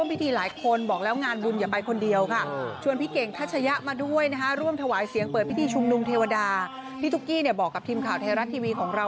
พี่ทุกกี้เนี่ยบอกกับทีมข่าวไทยรัฐทีวีของเรา